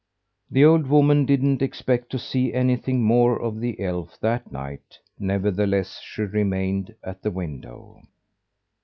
The old woman didn't expect to see anything more of the elf that night, nevertheless, she remained at the window.